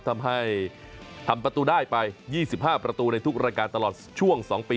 ทำให้ทำประตูได้ไป๒๕ประตูในทุกรายการตลอดช่วง๒ปี